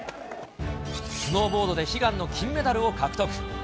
スノーボードで悲願の金メダルを獲得。